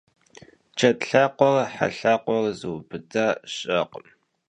Ced lhakhuere he lhakhuere zıubıda şı'ekhım.